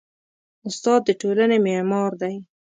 استاد د ټولنې معمار دی.